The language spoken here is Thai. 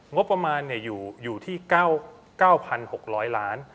งบประมาณอยู่ที่๙๖๐๐ล้าน